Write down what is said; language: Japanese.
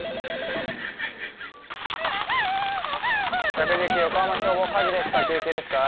☎☎１１９横浜消防火事ですか？